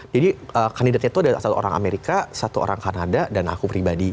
jadi kandidatnya tuh ada satu orang amerika satu orang kanada dan aku pribadi